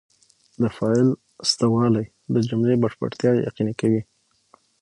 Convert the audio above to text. د فاعل سته والى د جملې بشپړتیا یقیني کوي.